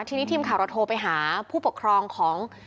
ทีนี้ทีมข่าวเราโทรไปหาผู้ปกครองของ